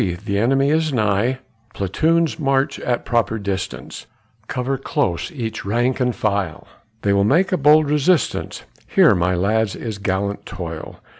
the enemy is nigh; Platoons march at proper distance, Cover close each rank and file, They will make a bold resistance, Here, my lads, is gallant toil.